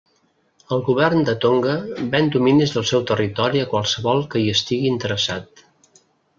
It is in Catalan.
El govern de Tonga ven dominis del seu territori a qualsevol que hi estigui interessat.